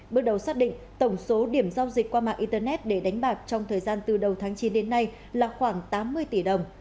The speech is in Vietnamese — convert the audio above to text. bước đầu xác định tổng số điểm giao dịch qua mạng internet để đánh bạc trong thời gian từ đầu tháng chín đến nay là khoảng tám mươi tỷ đồng